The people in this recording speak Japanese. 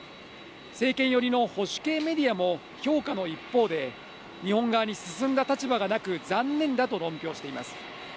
政権寄りの保守系メディアも、評価の一方で、日本側に進んだ立場がなく、残念だと論評しています。